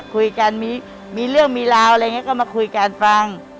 คุยกันมีเรื่องมีราวอะไรอย่างนี้ก็มาคุยกันฟัง